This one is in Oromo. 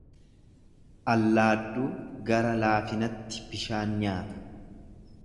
Allaadduu gara laafinatti bishaan nyaata.